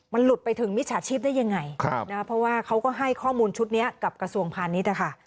มันหลุดไปถึงมิจฉาชีพได้ยังไง